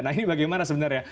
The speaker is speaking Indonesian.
nah ini bagaimana sebenarnya